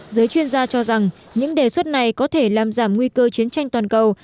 giới chuyên gia cho rằng những đề xuất này có thể làm giảm nguy cơ chiến tranh toàn cầu